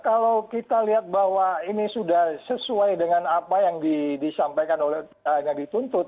kalau kita lihat bahwa ini sudah sesuai dengan apa yang disampaikan oleh yang dituntut